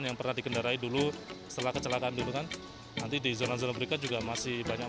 yang pernah dikendarai dulu setelah kecelakaan dulu kan nanti di zona zona berikut juga masih banyak